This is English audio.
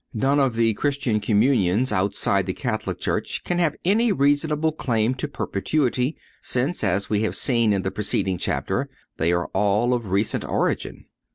None of the Christian Communions outside the Catholic Church can have any reasonable claim to Perpetuity, since, as we have seen in the preceding chapter, they are all(104) of recent origin.